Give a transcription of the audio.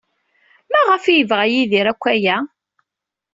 Maɣef ay yebɣa Yidir akk aya?